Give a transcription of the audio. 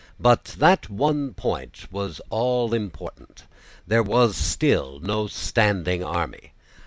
But that one point was all important. There was still no standing army.